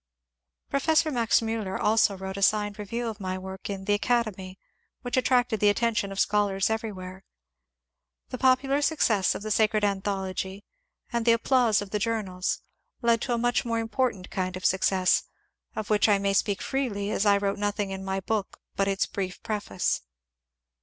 Professor Max Miiller also wrote a signed review of my work in the ^^ Academy " which attracted the attention of scholars everywhere. The popular success of the "Sacred Anthology," and the applause of the journals, led to a much more important kind of success, — of which I may speak freely, as I wrote nothing in my book but its brief preface.